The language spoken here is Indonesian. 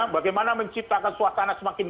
bagaimana menciptakan suasana semakin